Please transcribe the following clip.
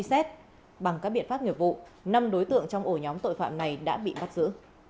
xét bằng các biện pháp nghiệp vụ năm đối tượng trong ổ nhóm tội phạm này đã bị bắt giữ